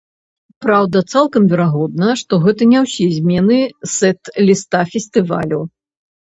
Праўда, цалкам верагодна, што гэта не усе змены сэт-ліста фестывалю.